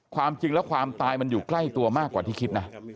ความจริงแล้วความตายมันอยู่ใกล้ตัวมากกว่าที่คิดนะ